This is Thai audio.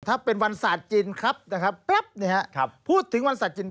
ถ้าเป็นวันศาสตร์จีนครับนะครับแป๊บพูดถึงวันศาสตร์จีน